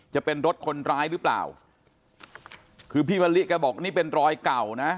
จะเป็นรถคนร้ายหรือเปล่าคือพี่มะลิแกบอกนี่เป็นรอยเก่านะ